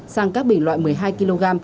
sang các bình loại một mươi hai kg